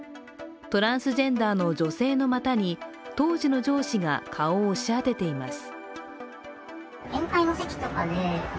トランスジェンダーの女性の股に当時の上司が顔を押し当てています。